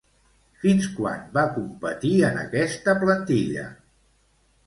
Fins quan va competir en aquesta plantilla?